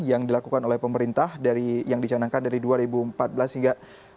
yang dilakukan oleh pemerintah dari yang dicanangkan dari dua ribu empat belas hingga dua ribu dua puluh